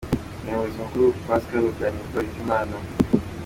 Umuyobozi mukuru ni Pascal Ruganintwali Bizimana